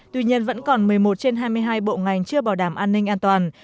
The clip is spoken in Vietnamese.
tuy nhiên vẫn còn một mươi một trên hai mươi hai bộ ngành chưa bảo đảm an ninh an toàn